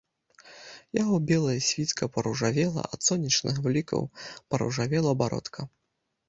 Яго белая світка паружавела ад сонечных блікаў, паружавела бародка.